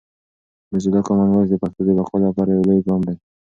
موزیلا کامن وایس د پښتو د بقا لپاره یو لوی ګام دی.